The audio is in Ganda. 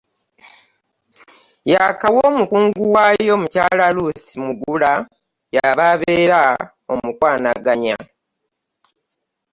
Yakawa omukungu waayo Muky. Ruth Muguta y'aba abeera omukwanaganya.